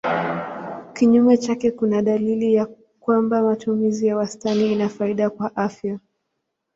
Kinyume chake kuna dalili ya kwamba matumizi ya wastani ina faida kwa afya.